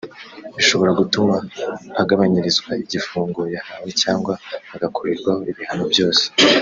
bishobora gutuma agabanyirizwa igifungo yahawe cyangwa agakurirwaho ibihano byose